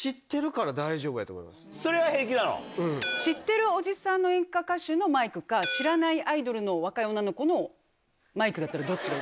知ってるおじさんの演歌歌手のマイクか知らないアイドルの若い女の子のマイクだったら。